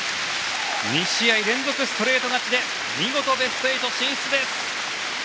２試合連続ストレート勝ちで見事、ベスト８進出です。